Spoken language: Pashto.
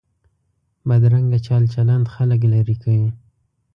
بدرنګه چال چلند خلک لرې کوي